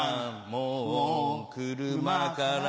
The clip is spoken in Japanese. もう車から